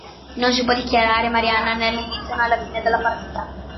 Non si può dichiarare "marianna" né all'inizio né alla fine della partita.